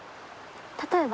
例えば？